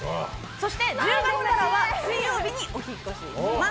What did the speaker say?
そして１０月からは水曜日にお引越しします。